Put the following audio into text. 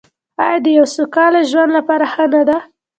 آیا د یو سوکاله ژوند لپاره نه ده؟